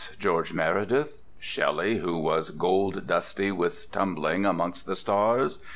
George Meredith? Shelley, who was "gold dusty with tumbling amongst the stars?"